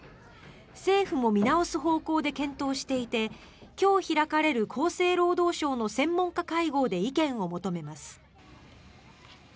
政府も見直す方向で検討していて今日、開かれる厚生労働省の専門家会合で意見を求めます。